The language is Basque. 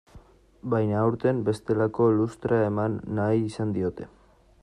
Baina aurten bestelako lustrea eman nahi izan diote.